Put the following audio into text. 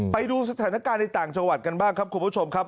ไปดูสถานการณ์ในต่างจังหวัดกันบ้างครับคุณผู้ชมครับ